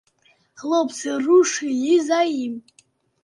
Хлопцы рушылі за ім.